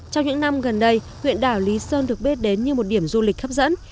trong những năm gần đây huyện đảo lý sơn được biết đến như một điểm du lịch hấp dẫn